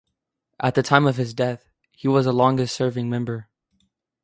At the time of his death, he was the longest-serving member.